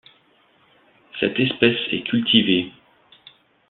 Cette espèce est cultivée.